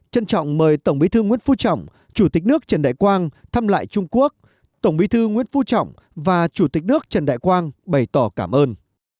trân trọng mời tổng bí thư nguyễn phú trọng chủ tịch nước trần đại quang thăm lại trung quốc tổng bí thư nguyễn phú trọng và chủ tịch nước trần đại quang bày tỏ cảm ơn